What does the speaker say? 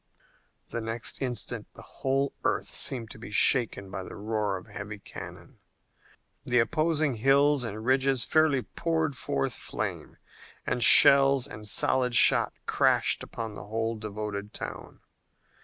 The next instant the whole earth seemed to be shaken by the roar of heavy cannon. The opposing hills and ridges fairly poured forth flame, and shells and solid shot crashed upon the whole devoted town.